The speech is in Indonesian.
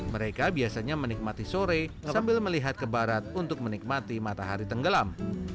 mereka biasanya menikmati sore sambil melihat ke barat untuk menikmati matahari tenggelam